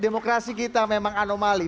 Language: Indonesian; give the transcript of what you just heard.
demokrasi kita memang anomali